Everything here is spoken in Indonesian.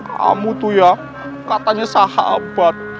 kamu tuh ya katanya sahabat